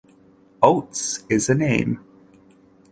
Ots is a name.